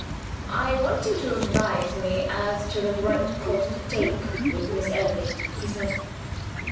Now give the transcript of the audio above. "I want you to advise me as to the right course to take with Miss Emily," he said.